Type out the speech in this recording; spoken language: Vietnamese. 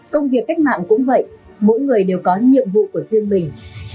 công việc cách mạng cũng vậy mỗi người đều có nhiệm vụ của riêng mình